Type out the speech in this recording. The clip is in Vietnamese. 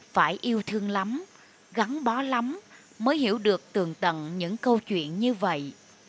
phải yêu thương lắm gắn bó lắm mới hiểu được tường tận những câu chuyện như vậy